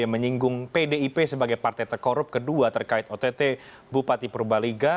menyinggung pdip sebagai partai terkorup kedua terkait ott bupati purbaliga